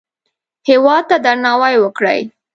هېواد ته درناوی وکړئ